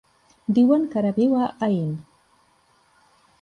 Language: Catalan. Diuen que ara viu a Aín.